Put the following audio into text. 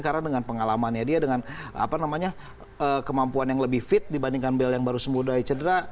karena dengan pengalamannya dia dengan apa namanya kemampuan yang lebih fit dibandingkan bel yang baru sembuh dari cedera